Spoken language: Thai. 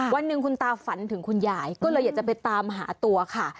วันหนึ่งคุณตาฝันถึงคุณยายก็เลยอยากจะไปตามหาตัวค่ะ